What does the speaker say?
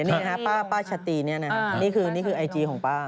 นี่นะครับป้าชะตีนี่นะครับนี่คือไอจีของป้า